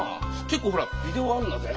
結構ほらビデオあるんだぜ。